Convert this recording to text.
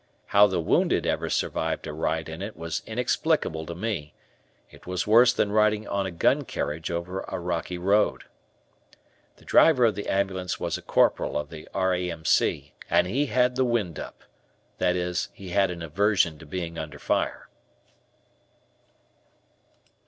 How the wounded ever survived a ride in it was inexplicable to me. It was worse than riding on a gun carriage over a rocky road. The driver of the ambulance was a corporal of the R.A.M.C., and he had the "wind up," that is, he had an aversion to being under fire.